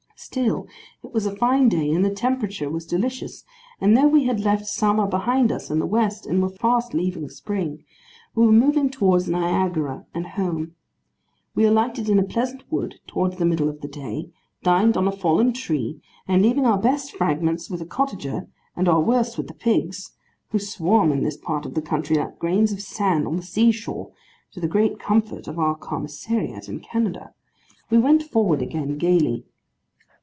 Still, it was a fine day, and the temperature was delicious, and though we had left Summer behind us in the west, and were fast leaving Spring, we were moving towards Niagara and home. We alighted in a pleasant wood towards the middle of the day, dined on a fallen tree, and leaving our best fragments with a cottager, and our worst with the pigs (who swarm in this part of the country like grains of sand on the sea shore, to the great comfort of our commissariat in Canada), we went forward again, gaily.